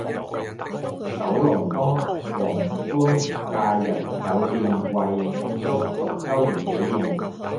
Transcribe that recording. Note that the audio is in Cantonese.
九龍東皇冠假日酒店為慶祝六週年紀念